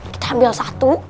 kita ambil satu